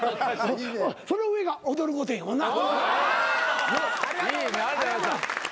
その上が踊る御殿やもんな。